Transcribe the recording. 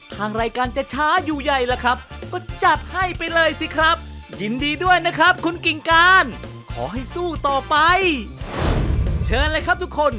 ทางรายการจะช้าอยู่ใยล่ะครับก็จัดให้ไปเลยสิครับ